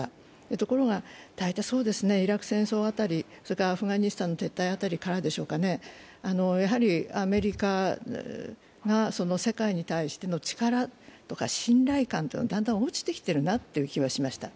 ところが大体、イラク戦争辺りアフガニスタンの撤退辺りからでしょうかね、やはりアメリカが世界に対しての力とか信頼感というのがだんだん落ちてきているなという気はしました。